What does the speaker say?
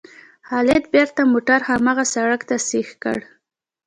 خالد بېرته موټر هماغه سړک ته سیخ کړ.